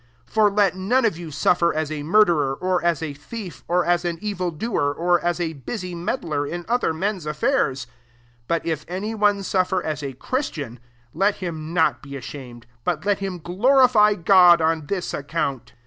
] 15 For let none of you suflTer as a murderer, or fia .a thief, or as an evil doer, or p.s a busy medler in other men's affiurs. 16 But i^any one suffer as a Christian, let him not be ashamed; but let him glorify God on this account.